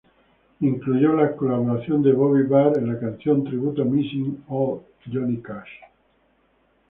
Incluyó la colaboración de Bobby Bare en la canción tributo "Missing Ol' Johnny Cash".